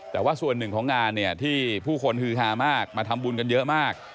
แต่ว่าส่วนหนึ่งของงานเนี่ยที่ผู้คนฮือฮามากมาทำบุญกันเยอะมาก